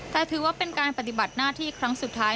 แต่ถือว่าเป็นการปฏิบัติหน้าที่ครั้งสุดท้าย